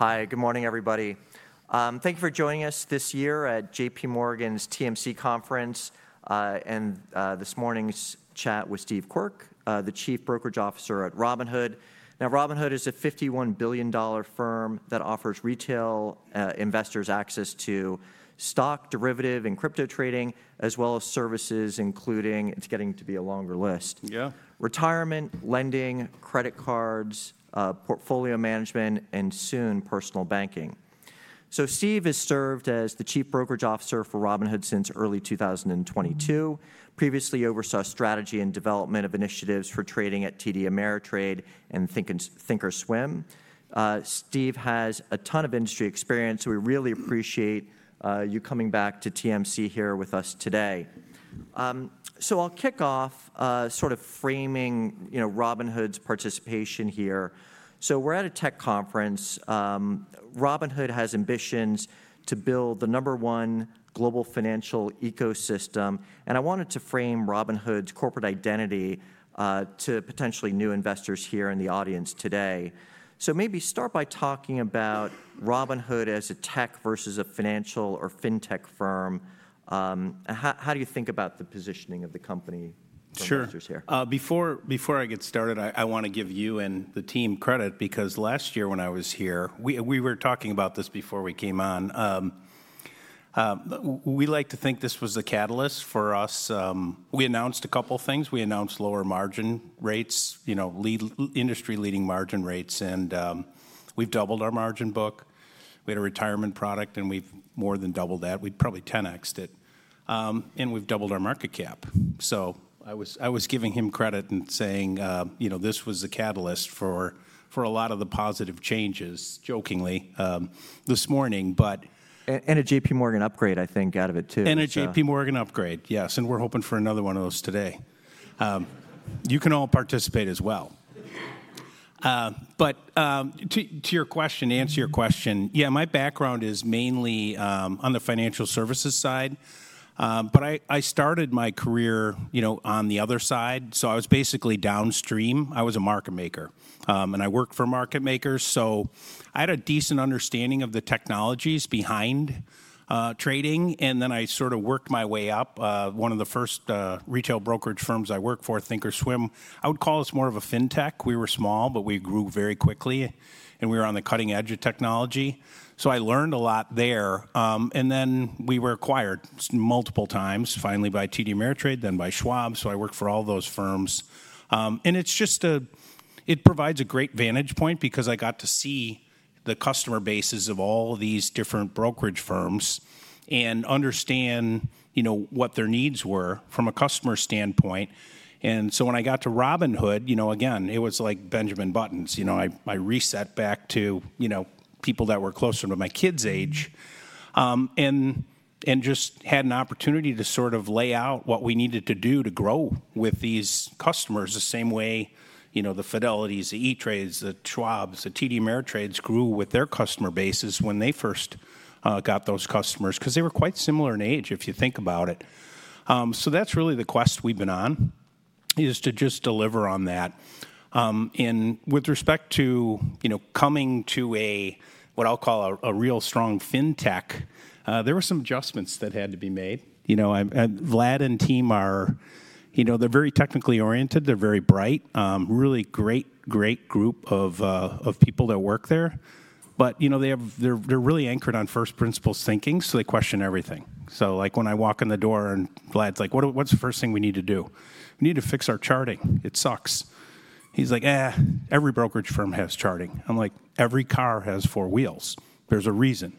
Hi, good morning, everybody. Thank you for joining us this year at JPMorgan's TMC Conference and this morning's chat with Steve Quirk, the Chief Brokerage Officer at Robinhood. Now, Robinhood is a $51 billion firm that offers retail investors access to stock, derivative, and crypto trading, as well as services including—it's getting to be a longer list—retirement, lending, credit cards, portfolio management, and soon personal banking. Steve has served as the Chief Brokerage Officer for Robinhood since early 2022. Previously, he oversaw strategy and development of initiatives for trading at TD Ameritrade and Thinkorswim. Steve has a ton of industry experience, so we really appreciate you coming back to TMC here with us today. I'll kick off sort of framing Robinhood's participation here. We're at a tech conference. Robinhood has ambitions to build the number one global financial ecosystem. I wanted to frame Robinhood's corporate identity to potentially new investors here in the audience today. Maybe start by talking about Robinhood as a tech versus a financial or fintech firm. How do you think about the positioning of the company to investors here? Sure. Before I get started, I want to give you and the team credit because last year when I was here—we were talking about this before we came on—we like to think this was the catalyst for us. We announced a couple of things. We announced lower margin rates, industry-leading margin rates, and we have doubled our margin book. We had a retirement product, and we have more than doubled that. We have probably 10x'd it. And we have doubled our market cap. I was giving him credit and saying this was the catalyst for a lot of the positive changes, jokingly, this morning, but. A JPMorgan upgrade, I think, out of it too. A JPMorgan upgrade, yes. We're hoping for another one of those today. You can all participate as well. To answer your question, yeah, my background is mainly on the financial services side. I started my career on the other side. I was basically downstream. I was a market maker. I worked for market makers. I had a decent understanding of the technologies behind trading. I sort of worked my way up. One of the first retail brokerage firms I worked for, Thinkorswim, I would call us more of a fintech. We were small, but we grew very quickly. We were on the cutting edge of technology. I learned a lot there. We were acquired multiple times, finally by TD Ameritrade, then by Schwab. I worked for all those firms. It provides a great vantage point because I got to see the customer bases of all these different brokerage firms and understand what their needs were from a customer standpoint. When I got to Robinhood, again, it was like Benjamin Buttons. I reset back to people that were closer to my kids' age and just had an opportunity to sort of lay out what we needed to do to grow with these customers the same way the Fidelities, the E-Trades, the Schwabs, the TD Ameritrades grew with their customer bases when they first got those customers because they were quite similar in age if you think about it. That is really the quest we have been on, to just deliver on that. With respect to coming to what I'll call a real strong fintech, there were some adjustments that had to be made. Vlad and team are very technically oriented. They're very bright. Really great, great group of people that work there. They're really anchored on first principles thinking, so they question everything. When I walk in the door and Vlad's like, "What's the first thing we need to do?" "We need to fix our charting. It sucks." He's like, every brokerage firm has charting. I'm like, "Every car has four wheels. There's a reason.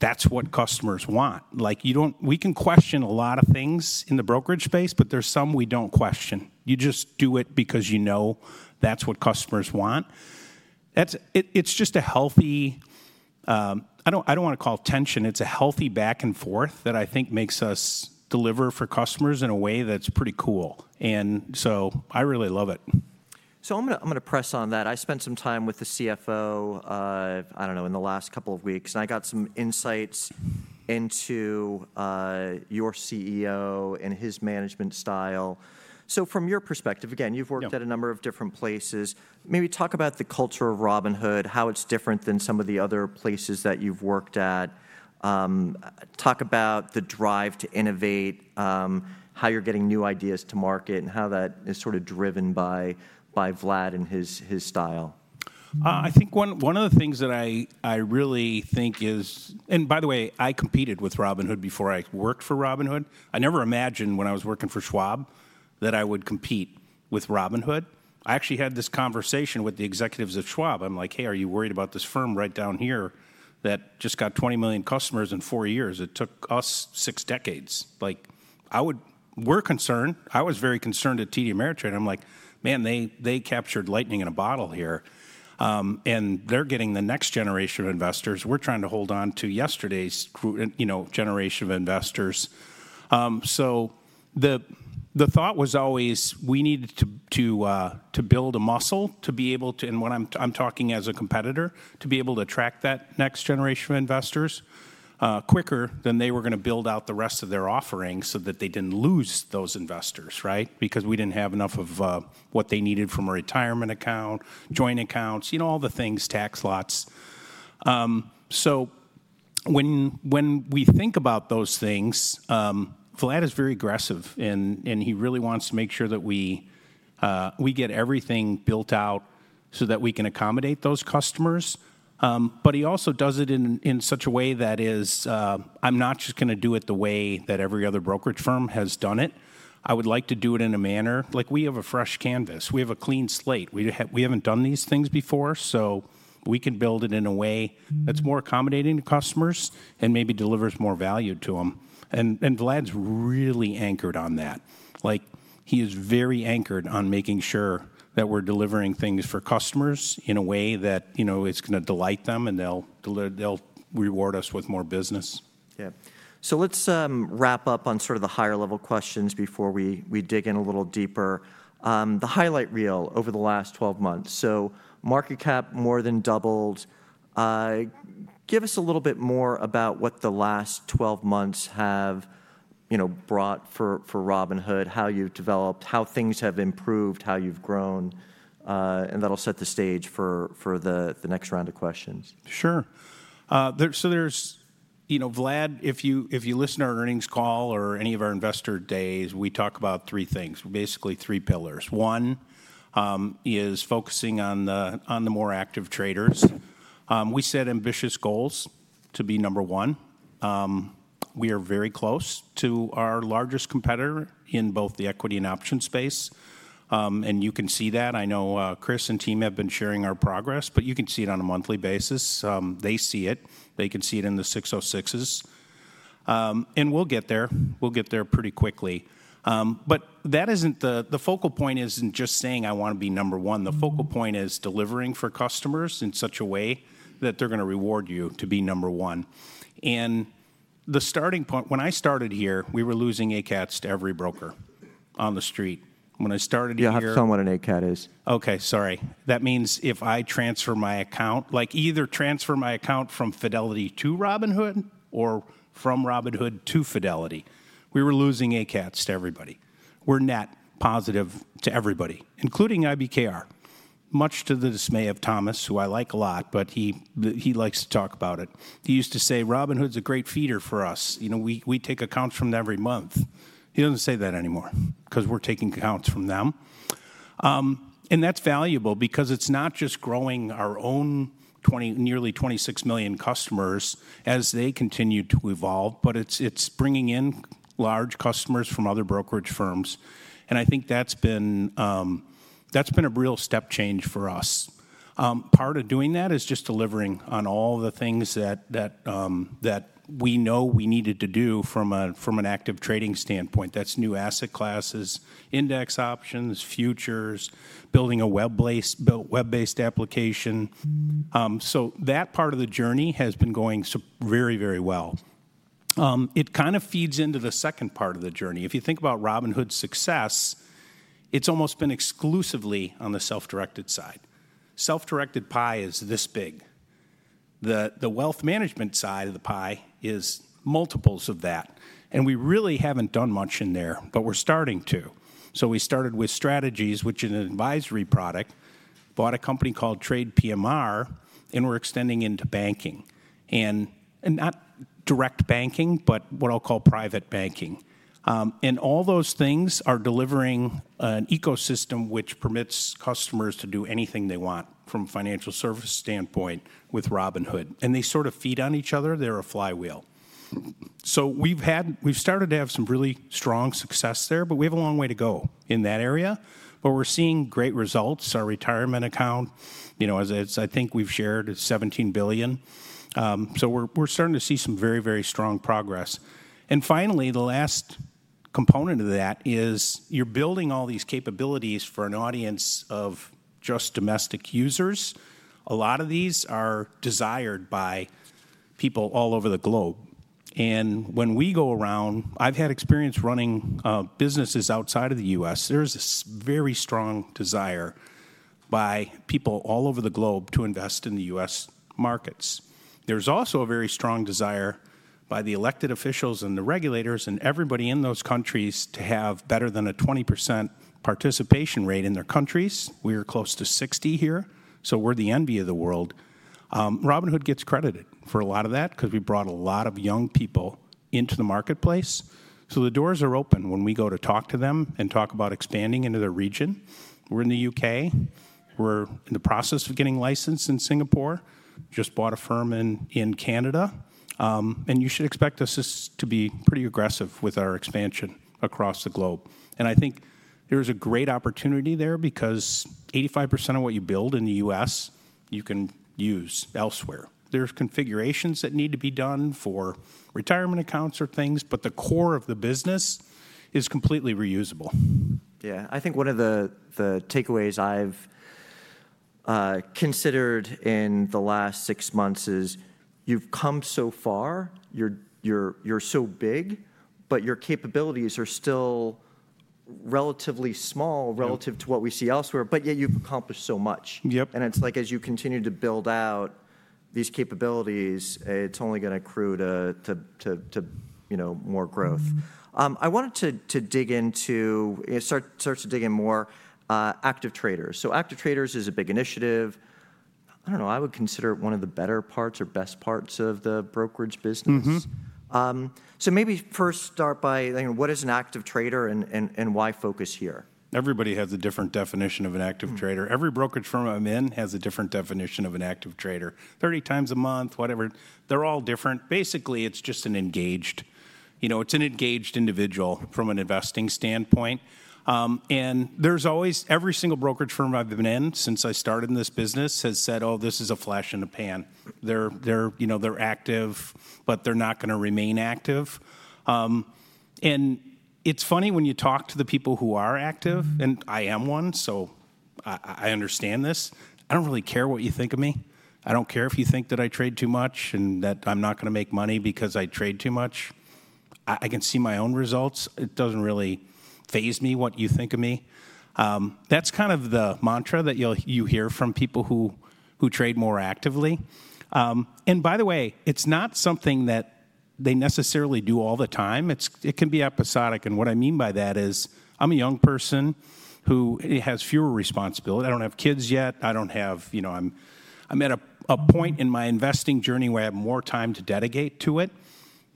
That's what customers want." We can question a lot of things in the brokerage space, but there's some we don't question. You just do it because you know that's what customers want. It's just a healthy—I don't want to call it tension. It's a healthy back and forth that I think makes us deliver for customers in a way that's pretty cool. I really love it. I'm going to press on that. I spent some time with the CFO, I don't know, in the last couple of weeks. I got some insights into your CEO and his management style. From your perspective, again, you've worked at a number of different places. Maybe talk about the culture of Robinhood, how it's different than some of the other places that you've worked at. Talk about the drive to innovate, how you're getting new ideas to market, and how that is sort of driven by Vlad and his style. I think one of the things that I really think is—and by the way, I competed with Robinhood before I worked for Robinhood. I never imagined when I was working for Schwab that I would compete with Robinhood. I actually had this conversation with the executives at Schwab. I'm like, "Hey, are you worried about this firm right down here that just got 20 million customers in four years? It took us six decades." We're concerned. I was very concerned at TD Ameritrade. I'm like, "Man, they captured lightning in a bottle here. And they're getting the next generation of investors. We're trying to hold on to yesterday's generation of investors. The thought was always we needed to build a muscle to be able to—and I'm talking as a competitor—to be able to attract that next generation of investors quicker than they were going to build out the rest of their offering so that they did not lose those investors, right? Because we did not have enough of what they needed from a retirement account, joint accounts, all the things, tax lots. When we think about those things, Vlad is very aggressive. He really wants to make sure that we get everything built out so that we can accommodate those customers. He also does it in such a way that is, "I'm not just going to do it the way that every other brokerage firm has done it. I would like to do it in a manner like we have a fresh canvas. We have a clean slate. We haven't done these things before. We can build it in a way that's more accommodating to customers and maybe delivers more value to them. Vlad's really anchored on that. He is very anchored on making sure that we're delivering things for customers in a way that it's going to delight them and they'll reward us with more business. Yeah. Let's wrap up on sort of the higher-level questions before we dig in a little deeper. The highlight reel over the last 12 months. Market cap more than doubled. Give us a little bit more about what the last 12 months have brought for Robinhood, how you've developed, how things have improved, how you've grown. That'll set the stage for the next round of questions. Sure. Vlad, if you listen to our earnings call or any of our investor days, we talk about three things, basically three pillars. One is focusing on the more active traders. We set ambitious goals to be number one. We are very close to our largest competitor in both the equity and options space. You can see that. I know Chris and team have been sharing our progress, but you can see it on a monthly basis. They see it. They can see it in the 606s. We will get there. We will get there pretty quickly. The focal point is not just saying, "I want to be number one." The focal point is delivering for customers in such a way that they are going to reward you to be number one. When I started here, we were losing ACATs to every broker on the street. When I started here. Yeah, I have someone in ACAT is. Okay, sorry. That means if I transfer my account, either transfer my account from Fidelity to Robinhood or from Robinhood to Fidelity, we were losing ACATs to everybody. We are net positive to everybody, including IBKR, much to the dismay of Thomas, who I like a lot, but he likes to talk about it. He used to say, "Robinhood's a great feeder for us. We take accounts from them every month." He does not say that anymore because we are taking accounts from them. That is valuable because it is not just growing our own nearly 26 million customers as they continue to evolve, but it is bringing in large customers from other brokerage firms. I think that has been a real step change for us. Part of doing that is just delivering on all the things that we know we needed to do from an active trading standpoint. That's new asset classes, index options, futures, building a web-based application. That part of the journey has been going very, very well. It kind of feeds into the second part of the journey. If you think about Robinhood's success, it's almost been exclusively on the self-directed side. Self-directed pie is this big. The wealth management side of the pie is multiples of that. We really haven't done much in there, but we're starting to. We started with Strategies, which is an advisory product, bought a company called Trade PMR, and we're extending into banking. Not direct banking, but what I'll call Private Banking. All those things are delivering an ecosystem which permits customers to do anything they want from a financial service standpoint with Robinhood. They sort of feed on each other. They're a flywheel. We've started to have some really strong success there, but we have a long way to go in that area. We're seeing great results. Our retirement account, as I think we've shared, is $17 billion. We're starting to see some very, very strong progress. Finally, the last component of that is you're building all these capabilities for an audience of just domestic users. A lot of these are desired by people all over the globe. When we go around, I've had experience running businesses outside of the U.S. There is a very strong desire by people all over the globe to invest in the U.S. markets. There's also a very strong desire by the elected officials and the regulators and everybody in those countries to have better than a 20% participation rate in their countries. We are close to 60% here. We're the envy of the world. Robinhood gets credited for a lot of that because we brought a lot of young people into the marketplace. The doors are open when we go to talk to them and talk about expanding into their region. We're in the U.K. We're in the process of getting licensed in Singapore. Just bought a firm in Canada. You should expect us to be pretty aggressive with our expansion across the globe. I think there is a great opportunity there because 85% of what you build in the U.S., you can use elsewhere. There are configurations that need to be done for retirement accounts or things, but the core of the business is completely reusable. Yeah. I think one of the takeaways I've considered in the last six months is you've come so far. You're so big, but your capabilities are still relatively small relative to what we see elsewhere, yet you've accomplished so much. It's like as you continue to build out these capabilities, it's only going to accrue to more growth. I wanted to start to dig in more active traders. Active traders is a big initiative. I don't know. I would consider it one of the better parts or best parts of the brokerage business. Maybe first start by what is an active trader and why focus here? Everybody has a different definition of an active trader. Every brokerage firm I'm in has a different definition of an active trader. Thirty times a month, whatever. They're all different. Basically, it's just an engaged individual from an investing standpoint. Every single brokerage firm I've been in since I started in this business has said, "Oh, this is a flash in the pan. They're active, but they're not going to remain active." It's funny when you talk to the people who are active, and I am one, so I understand this. I don't really care what you think of me. I don't care if you think that I trade too much and that I'm not going to make money because I trade too much. I can see my own results. It doesn't really phase me what you think of me. That's kind of the mantra that you hear from people who trade more actively. By the way, it's not something that they necessarily do all the time. It can be episodic. What I mean by that is I'm a young person who has fewer responsibilities. I don't have kids yet. I'm at a point in my investing journey where I have more time to dedicate to it.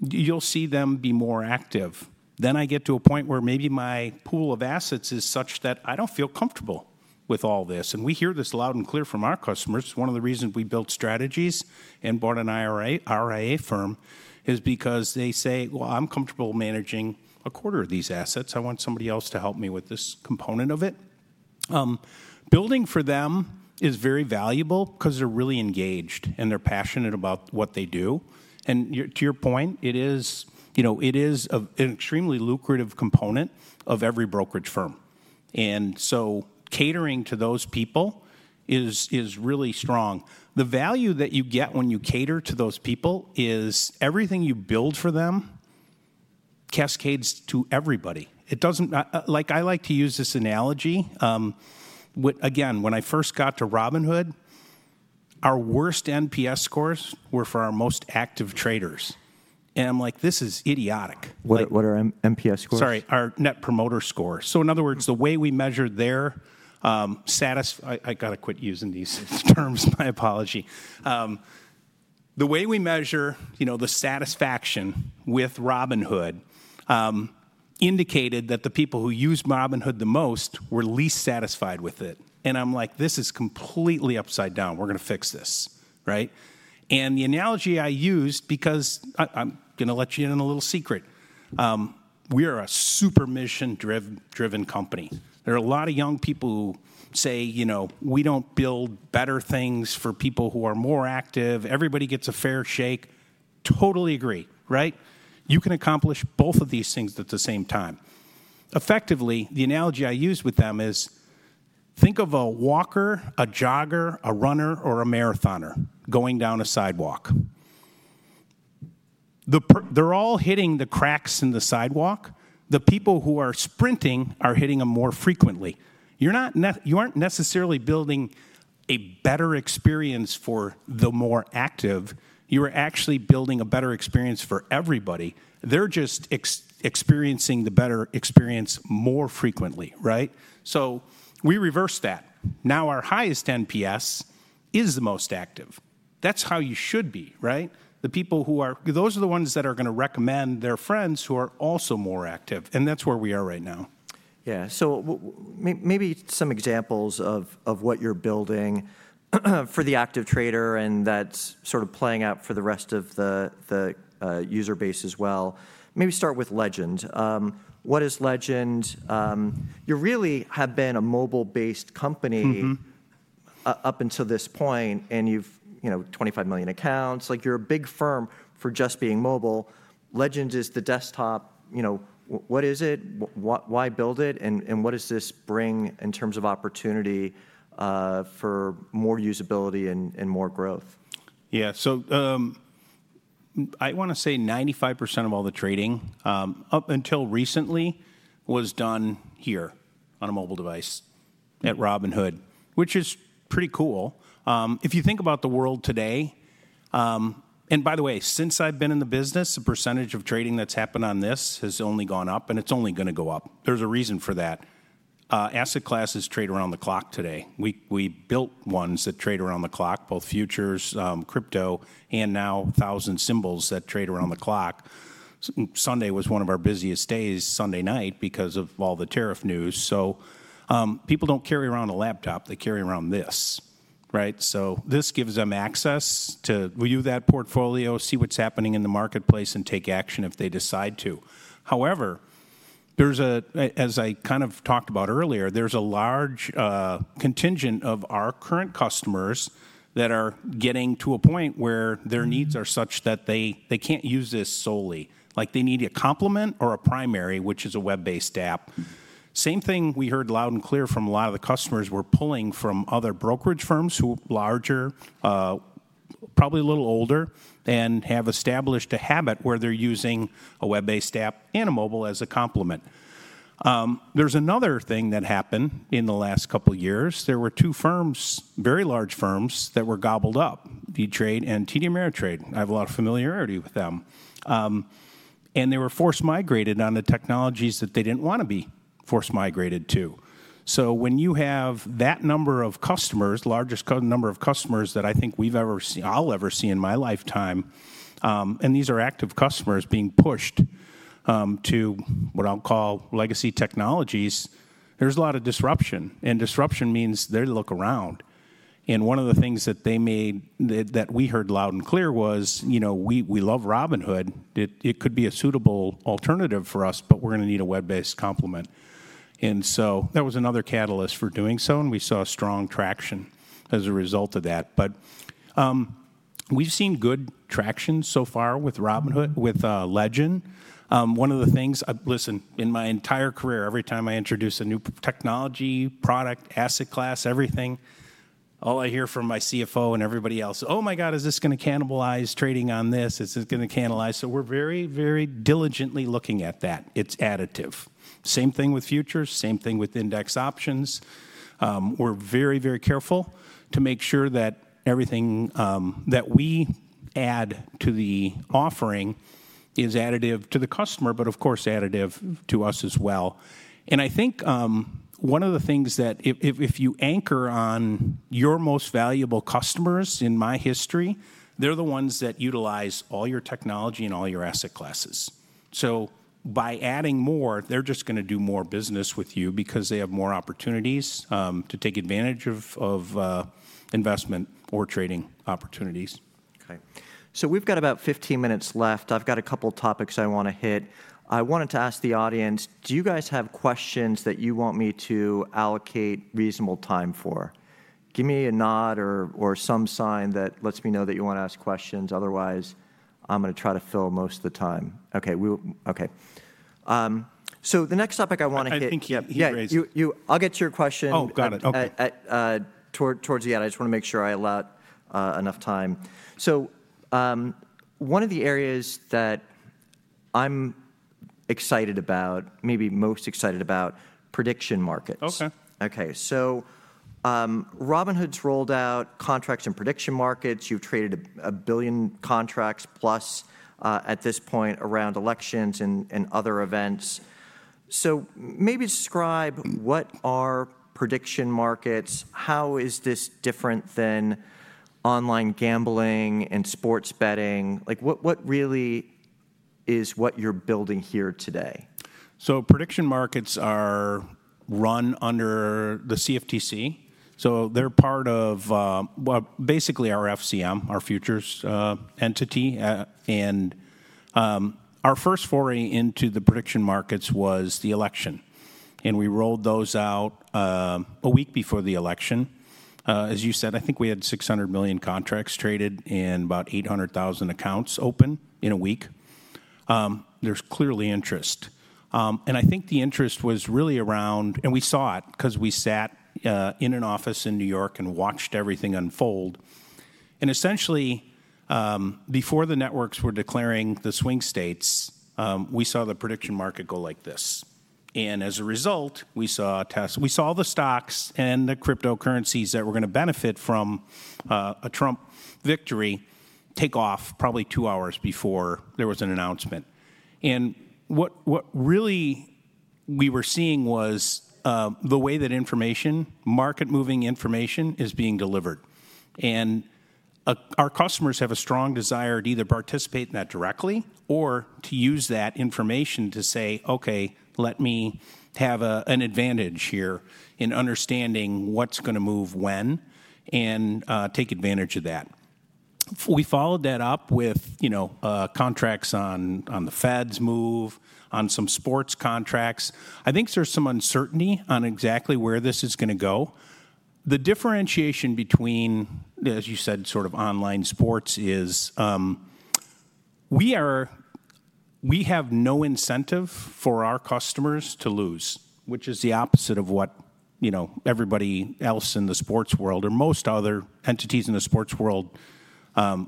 You'll see them be more active. I get to a point where maybe my pool of assets is such that I don't feel comfortable with all this. We hear this loud and clear from our customers. One of the reasons we built Strategies and bought an RIA firm is because they say, "Well, I'm comfortable managing a quarter of these assets. I want somebody else to help me with this component of it." Building for them is very valuable because they're really engaged and they're passionate about what they do. To your point, it is an extremely lucrative component of every brokerage firm. Catering to those people is really strong. The value that you get when you cater to those people is everything you build for them cascades to everybody. I like to use this analogy. Again, when I first got to Robinhood, our worst NPS scores were for our most active traders. I'm like, "This is idiotic. What are NPS scores? Sorry, our Net Promoter Scores. In other words, the way we measure their satisfaction—I got to quit using these terms. My apology. The way we measure the satisfaction with Robinhood indicated that the people who used Robinhood the most were least satisfied with it. I'm like, "This is completely upside down. We're going to fix this." Right? The analogy I used—because I'm going to let you in on a little secret—we are a super mission-driven company. There are a lot of young people who say, "We don't build better things for people who are more active. Everybody gets a fair shake." Totally agree. Right? You can accomplish both of these things at the same time. Effectively, the analogy I used with them is think of a walker, a jogger, a runner, or a marathoner going down a sidewalk. They're all hitting the cracks in the sidewalk. The people who are sprinting are hitting them more frequently. You aren't necessarily building a better experience for the more active. You are actually building a better experience for everybody. They are just experiencing the better experience more frequently. Right? We reversed that. Now our highest NPS is the most active. That is how you should be. Right? The people who are—those are the ones that are going to recommend their friends who are also more active. That is where we are right now. Yeah. Maybe some examples of what you're building for the active trader and that's sort of playing out for the rest of the user base as well. Maybe start with Legend. What is Legend? You really have been a mobile-based company up until this point, and you have 25 million accounts. You're a big firm for just being mobile. Legend is the desktop. What is it? Why build it? What does this bring in terms of opportunity for more usability and more growth? Yeah. I want to say 95% of all the trading up until recently was done here on a mobile device at Robinhood, which is pretty cool. If you think about the world today, and by the way, since I've been in the business, the percentage of trading that's happened on this has only gone up, and it's only going to go up. There's a reason for that. Asset classes trade around the clock today. We built ones that trade around the clock, both futures, crypto, and now thousand symbols that trade around the clock. Sunday was one of our busiest days, Sunday night, because of all the tariff news. People don't carry around a laptop. They carry around this. Right? This gives them access to view that portfolio, see what's happening in the marketplace, and take action if they decide to. However, as I kind of talked about earlier, there's a large contingent of our current customers that are getting to a point where their needs are such that they can't use this solely. They need a complement or a primary, which is a web-based app. Same thing we heard loud and clear from a lot of the customers we're pulling from other brokerage firms who are larger, probably a little older, and have established a habit where they're using a web-based app and a mobile as a complement. There's another thing that happened in the last couple of years. There were two firms, very large firms that were gobbled up, E-Trade and TD Ameritrade. I have a lot of familiarity with them. And they were forced migrated on the technologies that they didn't want to be forced migrated to. When you have that number of customers, the largest number of customers that I think I'll ever see in my lifetime, and these are active customers being pushed to what I'll call legacy technologies, there's a lot of disruption. Disruption means they look around. One of the things that we heard loud and clear was, "We love Robinhood. It could be a suitable alternative for us, but we're going to need a web-based complement." That was another catalyst for doing so, and we saw strong traction as a result of that. We've seen good traction so far with Legend. One of the things—listen, in my entire career, every time I introduce a new technology, product, asset class, everything, all I hear from my CFO and everybody else, "Oh my God, is this going to cannibalize trading on this? Is this going to cannibalize?" We are very, very diligently looking at that. It is additive. Same thing with futures, same thing with index options. We are very, very careful to make sure that everything that we add to the offering is additive to the customer, but of course, additive to us as well. I think one of the things that if you anchor on your most valuable customers in my history, they are the ones that utilize all your technology and all your asset classes. By adding more, they are just going to do more business with you because they have more opportunities to take advantage of investment or trading opportunities. Okay. So we've got about 15 minutes left. I've got a couple of topics I want to hit. I wanted to ask the audience, do you guys have questions that you want me to allocate reasonable time for? Give me a nod or some sign that lets me know that you want to ask questions. Otherwise, I'm going to try to fill most of the time. Okay. Okay. The next topic I want to hit. I think he raised. I'll get your question. Oh, got it. Okay. Towards the end, I just want to make sure I allot enough time. One of the areas that I'm excited about, maybe most excited about, prediction markets. Okay. Okay. Robinhood's rolled out contracts and prediction markets. You've traded a billion contracts plus at this point around elections and other events. Maybe describe what are prediction markets? How is this different than online gambling and sports betting? What really is what you're building here today? Prediction markets are run under the CFTC. They're part of basically our FCM, our futures entity. Our first foray into the prediction markets was the election. We rolled those out a week before the election. As you said, I think we had 600 million contracts traded and about 800,000 accounts open in a week. There's clearly interest. I think the interest was really around, and we saw it because we sat in an office in New York and watched everything unfold. Essentially, before the networks were declaring the swing states, we saw the prediction market go like this. As a result, we saw the stocks and the cryptocurrencies that were going to benefit from a Trump victory take off probably two hours before there was an announcement. What really we were seeing was the way that information, market-moving information, is being delivered. Our customers have a strong desire to either participate in that directly or to use that information to say, "Okay, let me have an advantage here in understanding what's going to move when and take advantage of that." We followed that up with contracts on the Fed's move, on some sports contracts. I think there's some uncertainty on exactly where this is going to go. The differentiation between, as you said, sort of online sports is we have no incentive for our customers to lose, which is the opposite of what everybody else in the sports world or most other entities in the sports world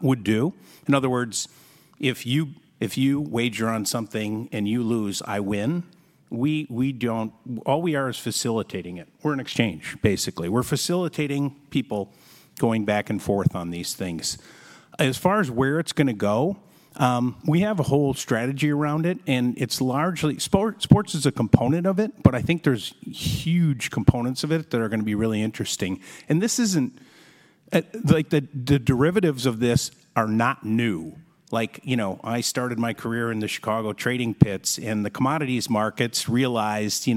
would do. In other words, if you wager on something and you lose, I win. All we are is facilitating it. We're an exchange, basically. We're facilitating people going back and forth on these things. As far as where it's going to go, we have a whole strategy around it, and sports is a component of it, but I think there's huge components of it that are going to be really interesting. The derivatives of this are not new. I started my career in the Chicago trading pits, and the commodities markets realized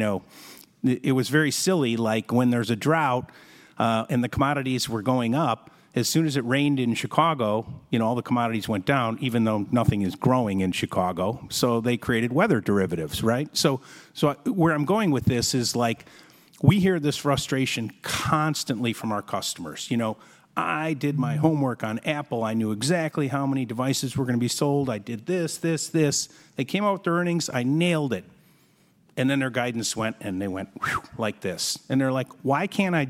it was very silly. When there's a drought and the commodities were going up, as soon as it rained in Chicago, all the commodities went down, even though nothing is growing in Chicago. They created weather derivatives. Right? Where I'm going with this is we hear this frustration constantly from our customers. I did my homework on Apple. I knew exactly how many devices were going to be sold. I did this, this, this. They came out with earnings. I nailed it. Their guidance went, and they went like this. They're like, "Why can't I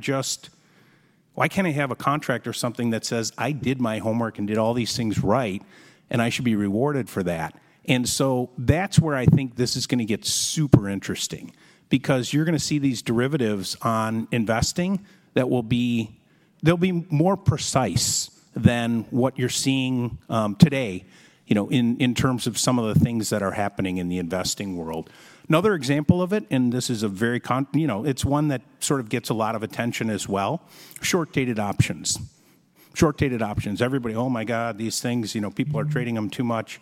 have a contract or something that says, 'I did my homework and did all these things right, and I should be rewarded for that?'" That is where I think this is going to get super interesting because you're going to see these derivatives on investing that will be more precise than what you're seeing today in terms of some of the things that are happening in the investing world. Another example of it, and this is a very—it's one that sort of gets a lot of attention as well—short-dated options. Short-dated options. Everybody, "Oh my God, these things, people are trading them too much."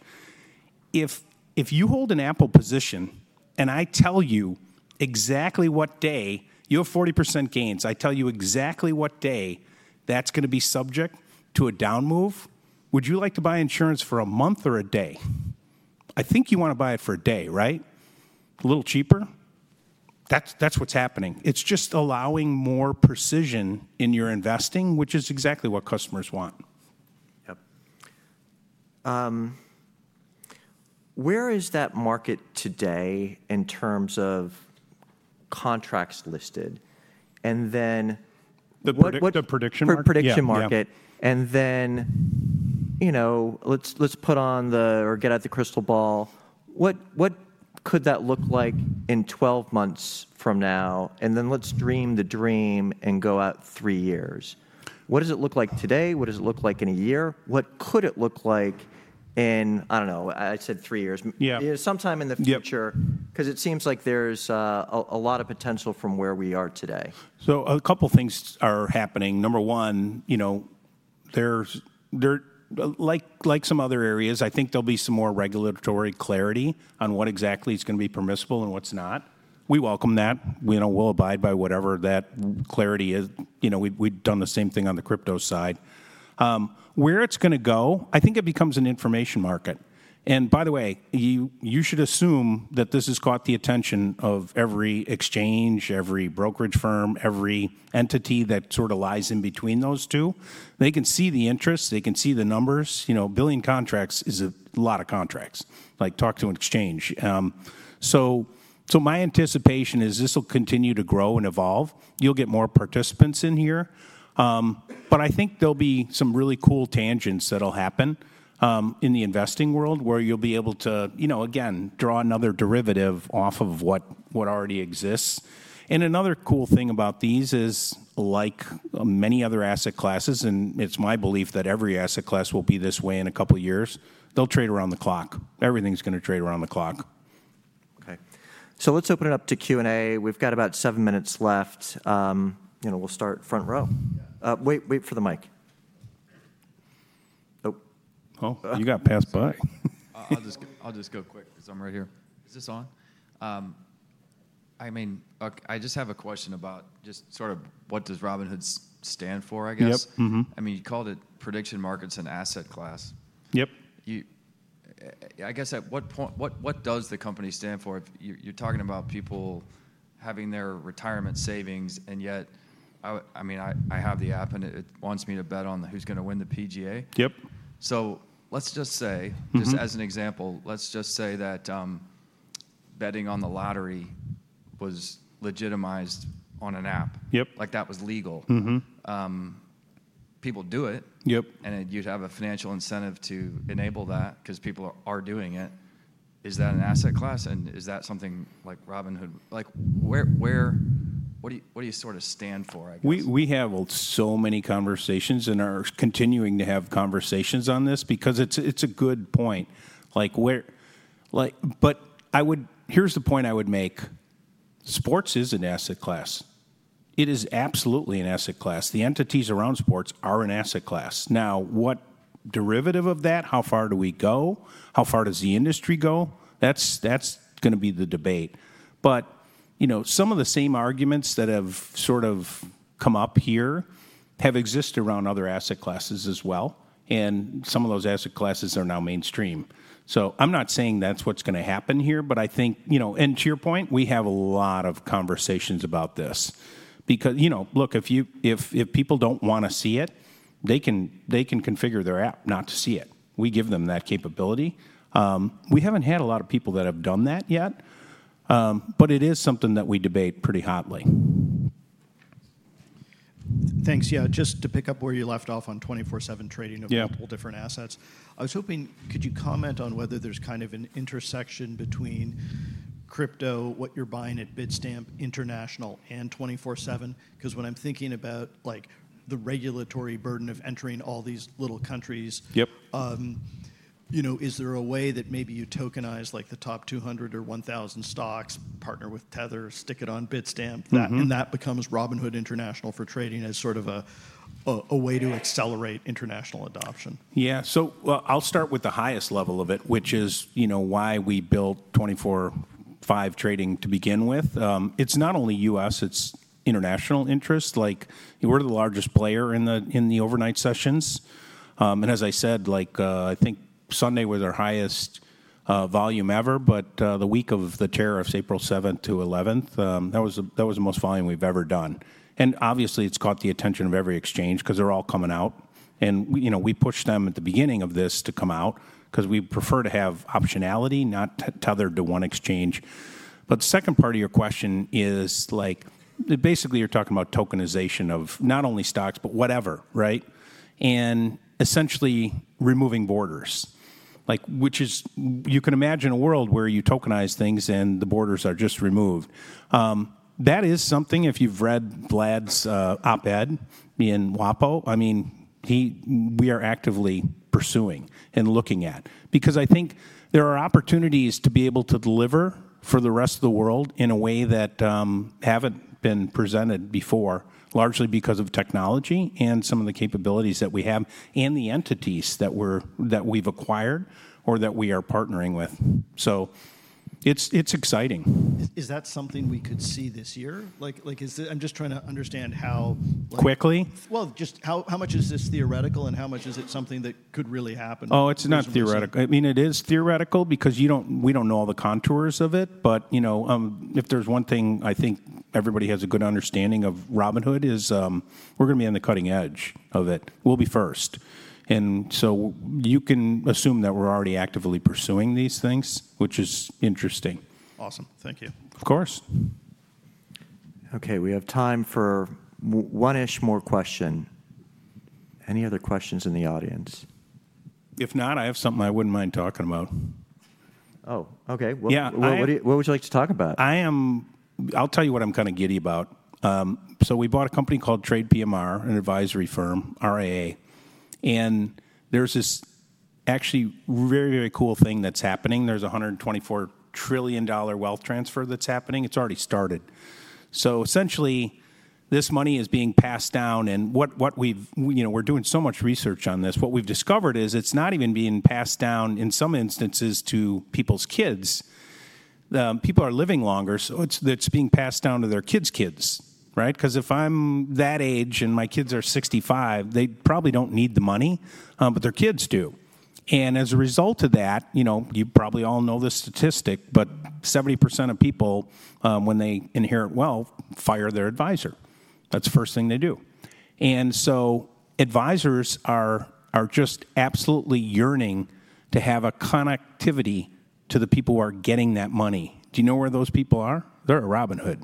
If you hold an Apple position and I tell you exactly what day you have 40% gains, I tell you exactly what day that's going to be subject to a down move, would you like to buy insurance for a month or a day? I think you want to buy it for a day. Right? A little cheaper. That's what's happening. It's just allowing more precision in your investing, which is exactly what customers want. Yep. Where is that market today in terms of contracts listed? And then. The prediction market. The prediction market. Let's put on the, or get out the crystal ball. What could that look like in 12 months from now? Let's dream the dream and go out three years. What does it look like today? What does it look like in a year? What could it look like in—I don't know. I said three years. Sometime in the future because it seems like there's a lot of potential from where we are today. A couple of things are happening. Number one, like some other areas, I think there'll be some more regulatory clarity on what exactly is going to be permissible and what's not. We welcome that. We'll abide by whatever that clarity is. We've done the same thing on the crypto side. Where it's going to go, I think it becomes an information market. By the way, you should assume that this has caught the attention of every exchange, every brokerage firm, every entity that sort of lies in between those two. They can see the interest. They can see the numbers. A billion contracts is a lot of contracts. Talk to an exchange. My anticipation is this will continue to grow and evolve. You'll get more participants in here. I think there'll be some really cool tangents that'll happen in the investing world where you'll be able to, again, draw another derivative off of what already exists. Another cool thing about these is, like many other asset classes, and it's my belief that every asset class will be this way in a couple of years, they'll trade around the clock. Everything's going to trade around the clock. Okay. So let's open it up to Q&A. We've got about seven minutes left. We'll start front row. Wait for the mic. Oh. Oh, you got passed by. I'll just go quick because I'm right here. Is this on? I mean, I just have a question about just sort of what does Robinhood stand for, I guess. Yep. I mean, you called it prediction markets and asset class. Yep. I guess at what point, what does the company stand for? You're talking about people having their retirement savings, and yet, I mean, I have the app, and it wants me to bet on who's going to win the PGA. Yep. Let's just say, just as an example, let's just say that betting on the lottery was legitimized on an app. Yep. Like that was legal. Mm-hmm. People do it. Yep. You'd have a financial incentive to enable that because people are doing it. Is that an asset class? Is that something like Robinhood? What do you sort of stand for, I guess? We have so many conversations and are continuing to have conversations on this because it's a good point. Here's the point I would make. Sports is an asset class. It is absolutely an asset class. The entities around sports are an asset class. Now, what derivative of that? How far do we go? How far does the industry go? That's going to be the debate. Some of the same arguments that have sort of come up here have existed around other asset classes as well. Some of those asset classes are now mainstream. I'm not saying that's what's going to happen here, but I think, and to your point, we have a lot of conversations about this. Because look, if people don't want to see it, they can configure their app not to see it. We give them that capability. We haven't had a lot of people that have done that yet, but it is something that we debate pretty hotly. Thanks. Yeah. Just to pick up where you left off on 24/7 trading of a couple of different assets, I was hoping could you comment on whether there's kind of an intersection between crypto, what you're buying at Bitstamp International and 24/7? Because when I'm thinking about the regulatory burden of entering all these little countries, is there a way that maybe you tokenize the top 200 or 1,000 stocks, partner with Tether, stick it on Bitstamp, and that becomes Robinhood International for trading as sort of a way to accelerate international adoption? Yeah. I'll start with the highest level of it, which is why we built 24/5 trading to begin with. It's not only U.S., it's international interest. We're the largest player in the overnight sessions. As I said, I think Sunday was our highest volume ever, but the week of the tariffs, April 7th to 11th, that was the most volume we've ever done. Obviously, it's caught the attention of every exchange because they're all coming out. We pushed them at the beginning of this to come out because we prefer to have optionality, not tethered to one exchange. The second part of your question is basically you're talking about tokenization of not only stocks, but whatever, right? Essentially removing borders, which is you can imagine a world where you tokenize things and the borders are just removed. That is something, if you've read Vlad's op-ed in WAPO, I mean, we are actively pursuing and looking at. Because I think there are opportunities to be able to deliver for the rest of the world in a way that haven't been presented before, largely because of technology and some of the capabilities that we have and the entities that we've acquired or that we are partnering with. It is exciting. Is that something we could see this year? I'm just trying to understand how. Quickly? Just how much is this theoretical and how much is it something that could really happen? Oh, it's not theoretical. I mean, it is theoretical because we don't know all the contours of it. If there's one thing I think everybody has a good understanding of Robinhood is we're going to be on the cutting edge of it. We'll be first. You can assume that we're already actively pursuing these things, which is interesting. Awesome. Thank you. Of course. Okay. We have time for one-ish more question. Any other questions in the audience? If not, I have something I wouldn't mind talking about. Oh, okay. Yeah. What would you like to talk about? I'll tell you what I'm kind of giddy about. We bought a company called Trade PMR, an advisory firm, RIA. There's this actually very, very cool thing that's happening. There's a $124 trillion wealth transfer that's happening. It's already started. Essentially, this money is being passed down. We're doing so much research on this. What we've discovered is it's not even being passed down in some instances to people's kids. People are living longer, so it's being passed down to their kids' kids. Right? Because if I'm that age and my kids are 65, they probably do not need the money, but their kids do. As a result of that, you probably all know the statistic, but 70% of people, when they inherit wealth, fire their advisor. That's the first thing they do. Advisors are just absolutely yearning to have a connectivity to the people who are getting that money. Do you know where those people are? They're at Robinhood.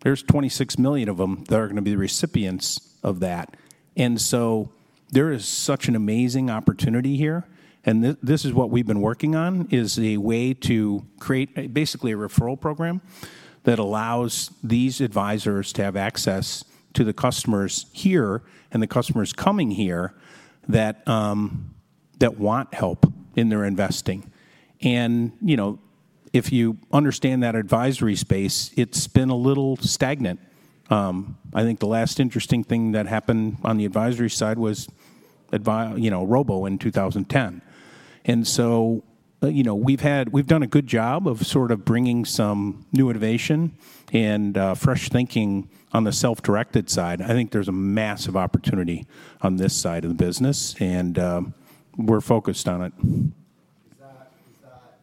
There are 26 million of them that are going to be the recipients of that. There is such an amazing opportunity here. This is what we've been working on, a way to create basically a referral program that allows these advisors to have access to the customers here and the customers coming here that want help in their investing. If you understand that advisory space, it's been a little stagnant. I think the last interesting thing that happened on the advisory side was Robo in 2010. We've done a good job of sort of bringing some new innovation and fresh thinking on the self-directed side. I think there's a massive opportunity on this side of the business, and we're focused on it.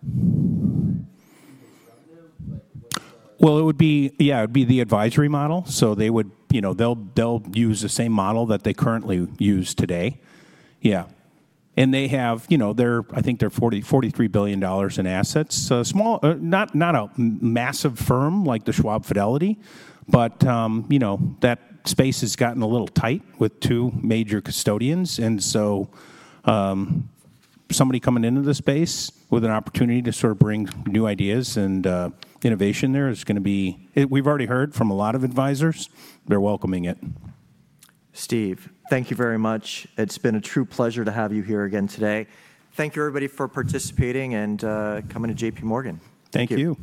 Is that either revenue? It would be, yeah, it would be the advisory model. They'll use the same model that they currently use today. Yeah. They have, I think they're $43 billion in assets. Not a massive firm like Schwab or Fidelity, but that space has gotten a little tight with two major custodians. Somebody coming into the space with an opportunity to sort of bring new ideas and innovation there is going to be—we've already heard from a lot of advisors. They're welcoming it. Steve, thank you very much. It's been a true pleasure to have you here again today. Thank you, everybody, for participating and coming to JPMorgan. Thank you.